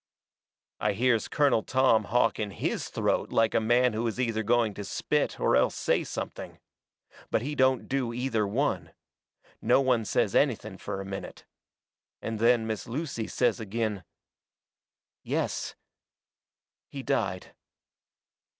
I hears Colonel Tom hawk in HIS throat like a man who is either going to spit or else say something. But he don't do either one. No one says anything fur a minute. And then Miss Lucy says agin: "Yes he died."